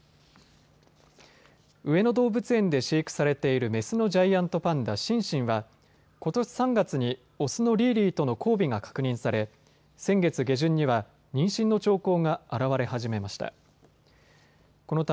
上野動物園で飼育されているメスのジャイアントパンダ、シンシンはことし３月にオスのリーリーとの交尾が確認され、先月下旬には妊娠の兆候が現れ始めました。